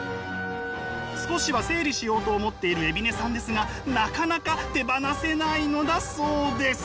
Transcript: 少しは整理しようと思っている海老根さんですがなかなか手放せないのだそうです。